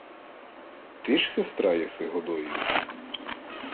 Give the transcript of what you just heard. — Ти ж сестра єси Годоєві?